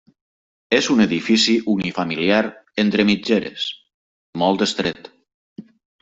És un edifici unifamiliar entre mitgeres, molt estret.